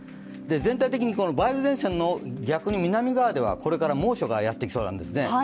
全体的に梅雨前線の逆に南側ではこれから猛暑がやってきそうなんですね。